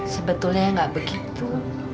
sebetulnya enggak begitu